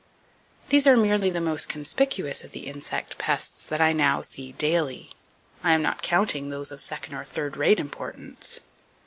These are merely the most conspicuous of the insect pests that I now see daily. I am not counting those of second or third rate importance.